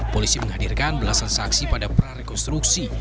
polisi menghadirkan belasan saksi pada prarekonstruksi